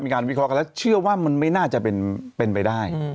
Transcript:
วิเคราะห์กันแล้วเชื่อว่ามันไม่น่าจะเป็นไปได้